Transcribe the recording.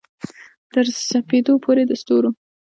تر سپیدو پوري د ستورو